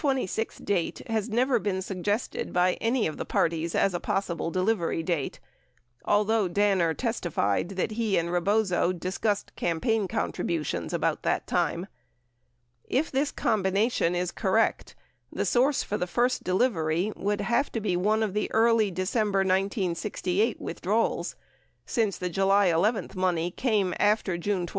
979 The June 26 date has never been suggested by any of the parties as a possible delivery date, although Danner testified that he and Rebozo discussed campaign contributions about this time. If this combination is correct, the source for the first delivery would have to be one of the early December 1968 withdrawals, since the July 11 money came after June 26.